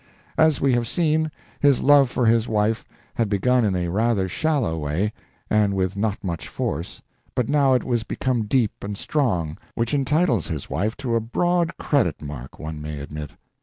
As we have seen, his love for his wife had begun in a rather shallow way and with not much force, but now it was become deep and strong, which entitles his wife to a broad credit mark, one may admit.